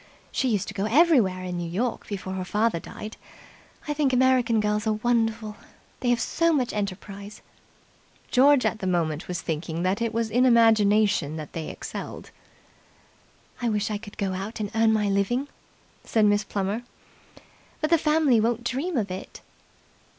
She used to go everywhere in New York before her father died. I think American girls are wonderful. They have so much enterprise." George at the moment was thinking that it was in imagination that they excelled. "I wish I could go out and earn my living," said Miss Plummer. "But the family won't dream of it."